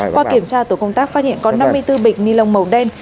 qua kiểm tra tổ công tác phát hiện có năm mươi bốn bịch ni lông màu đen